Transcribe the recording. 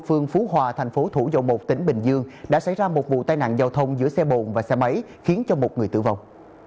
phương phú hòa thành phố thủ dầu một tỉnh bình dương đã xảy ra một vụ tai nạn giao thông giữa xe bồn và xe máy khiến cho một người tử vong